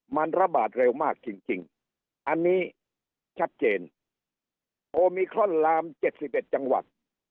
มันระบาดเร็วมากจริงจริงอันนี้ชัดเจนโอมิคลอนลามเจ็ดสิบเอ็ดจังหวัด